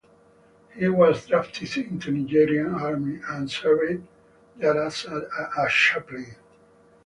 He was drafted into the Nigerian army, and served there as a chaplain.